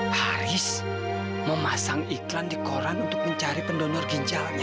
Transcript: haris memasang iklan di koran untuk mencari pendonor ginjalnya